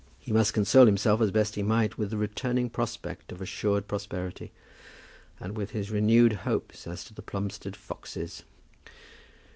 He must console himself as best he might with the returning prospect of assured prosperity, and with his renewed hopes as to the Plumstead foxes!